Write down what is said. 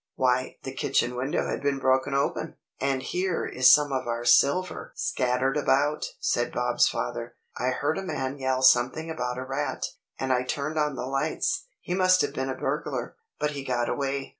"Why the kitchen window has been broken open, and here is some of our silver scattered about," said Bob's father. "I heard a man yell something about a rat, and I turned on the lights. He must have been a burglar, but he got away."